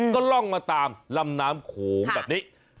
ก็ล่องมาตามลำน้ำโขงแบบนี้